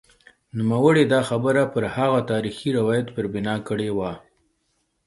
نوموړي دا خبره پر هغه تاریخي روایت پر بنا کړې وه.